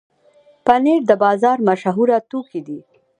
پنېر د بازار مشهوره توکي دي.